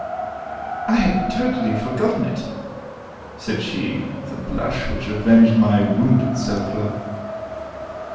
"I had totally forgotten it," said she, with a blush which avenged my wounded self love.